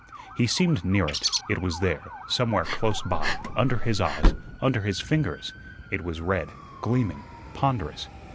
He seemed near it; it was there, somewhere close by, under his eyes, under his fingers; it was red, gleaming, ponderous.